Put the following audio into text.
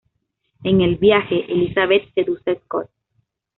En el viaje, Elizabeth seduce a Scott.